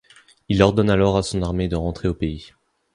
Il ordonne alors à son armée de rentrer au pays.